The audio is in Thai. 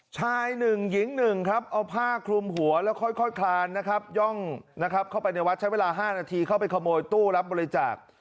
ชายหนึ่งหญิงหนึ่งครับเอาผ้าคลุมหัวแล้วค่อยคลานนะครับย่องนะครับเข้าไปในวัดใช้เวลา๕นาทีเข้าไปขโมยตู้รับบริจาค